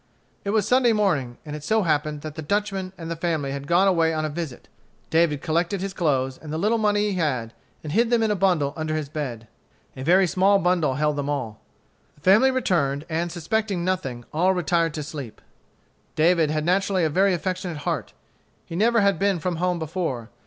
It was Sunday morning, and it so happened that the Dutchman and the family had gone away on a visit. David collected his clothes and the little money he had, and hid them in a bundle under his bed. A very small bundle held them all. The family returned, and, suspecting nothing, all retired to sleep. David had naturally a very affectionate heart. He never had been from home before.